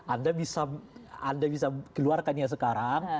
anda bisa keluarkan ya sekarang